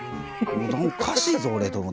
おかしいぞ俺と思って。